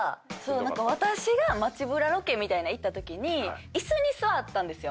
私が街ブラロケみたいな行ったときに椅子に座ったんですよ。